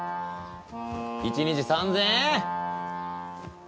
一日３０００円？